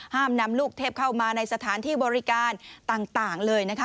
ห้ามนำลูกเทพเข้ามาในสถานที่บริการต่างเลยนะคะ